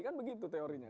kan begitu teorinya